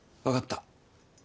分かった。